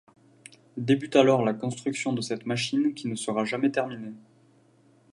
Débute alors la construction de cette machine qui ne sera jamais terminée.